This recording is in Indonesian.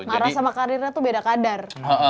marah sama karirnya tuh beda kadar